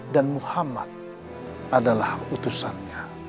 dan muhammad adalah utusannya